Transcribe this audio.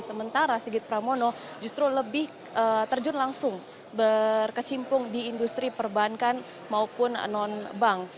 sementara sigit pramono justru lebih terjun langsung berkecimpung di industri perbankan maupun non bank